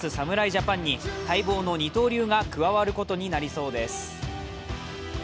ジャパンに待望の二刀流が加わることになりそうです。